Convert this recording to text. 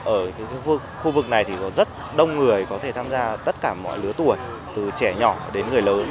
ở khu vực này thì có rất đông người có thể tham gia tất cả mọi lứa tuổi từ trẻ nhỏ đến người lớn